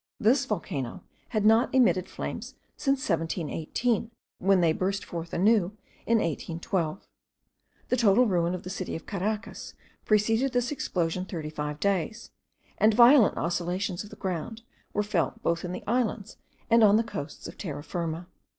This volcano had not emitted flames since 1718, when they burst forth anew in 1812. The total ruin of the city of Caracas preceded this explosion thirty five days, and violent oscillations of the ground were felt both in the islands and on the coasts of Terra Firma.